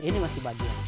ini masih bagian